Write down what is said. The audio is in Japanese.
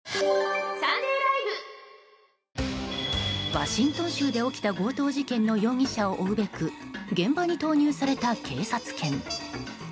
ワシントン州で起きた強盗事件の容疑者を追うべく現場に投入された警察犬。